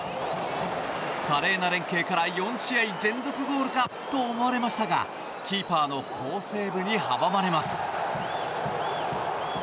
華麗な連係から４試合連続ゴールかと思われましたがキーパーの好セーブに阻まれます。